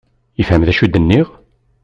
Yefhem d acu i d-nniɣ?